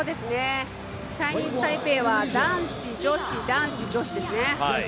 チャイニーズ・タイペイは男子、女子、男子、女子ですね。